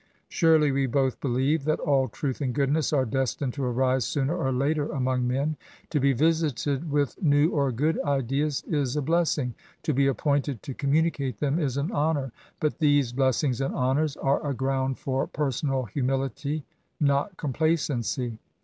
Surely we both believe that all truth and goodness are destined to arise' sooner or later among men. To be visited with new or good ideas is a blessing : to be appointed to communicate them is an honour: but these' blessings and honours are a ground for personal humility, not complacency.